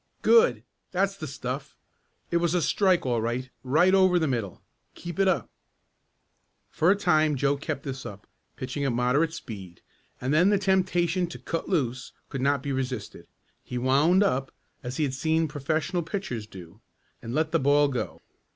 "Good! That's the stuff. It was a strike all right right over the middle. Keep it up." For a time Joe kept this up, pitching at moderate speed, and then the temptation to "cut loose" could not be resisted. He "wound up" as he had seen professional pitchers do and let the ball go.